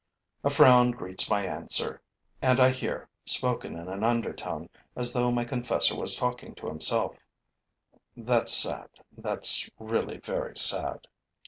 A frown greets my answer; and I hear, spoken in an undertone, as though my confessor were talking to himself: 'That's sad, that's really very sad.'